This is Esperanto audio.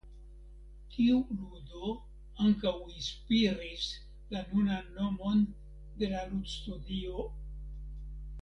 Tiu ludo ankaŭ inspiris la nunan nomon de la ludstudio.